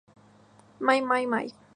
My My My!